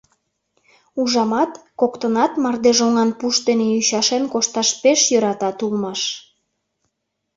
Ужамат, коктынат мардежоҥан пуш дене ӱчашен кошташ пеш йӧратат улмаш.